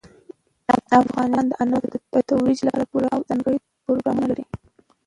افغانستان د انارو د ترویج لپاره پوره او ځانګړي پروګرامونه لري.